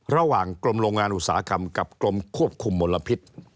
ระหว่างกรมโรงงานอุตสาหกรรมกับกรมควบคุมมลพิษ